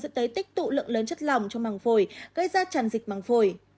dẫn tới tích tụ lượng lớn chất lòng trong măng phổi gây ra tràn dịch măng phổi